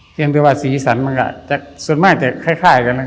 เพียงแต่ว่าสีสันมันก็ส่วนมากจะคล้ายกันนะ